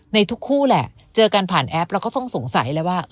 ในทุกคู่แหละเจอกันผ่านแอปเราก็ต้องสงสัยเลยว่า